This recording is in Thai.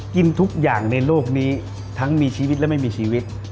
กินทุกอย่างในโลกนี้ทั้งมีชีวิตและไม่มีชีวิต